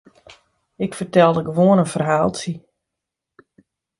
Ik fertelde gewoan in ferhaaltsje.